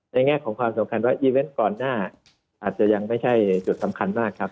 แง่ของความสำคัญว่าอีเวนต์ก่อนหน้าอาจจะยังไม่ใช่จุดสำคัญมากครับ